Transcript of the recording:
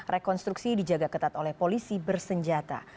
rekonstruksi dijaga ketat oleh polisi bersenjata